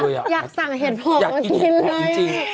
อยากสั่งเห็นพอกมากินเลยอยากกินเห็นพอกจริง